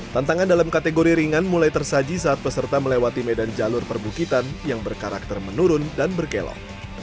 tantangan dalam kategori ringan mulai tersaji saat peserta melewati medan jalur perbukitan yang berkarakter menurun dan berkelok